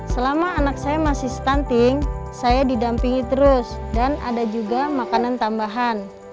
selama anak saya masih stunting saya didampingi terus dan ada juga makanan tambahan